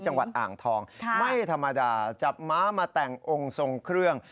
จังหวัดอ่างทองไม่ธรรมดาจับม้ามาแต่งองค์ทรงเครื่อง